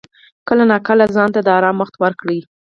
کله ناکله ځان ته د آرام وخت ورکړه.